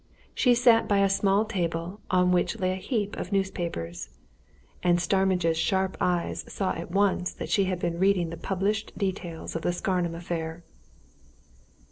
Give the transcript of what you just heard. She sat by a small table on which lay a heap of newspapers, and Starmidge's sharp eyes saw at once that she had been reading the published details of the Scarnham affair.